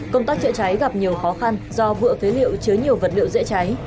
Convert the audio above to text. công tác chữa cháy gặp nhiều khó khăn do vựa phế liệu chứa nhiều vật liệu dễ cháy